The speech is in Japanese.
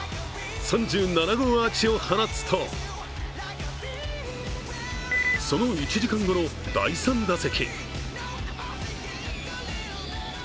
３７号アーチを放つとその１時間後の第３打席。